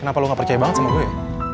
kenapa lu gak percaya banget sama gue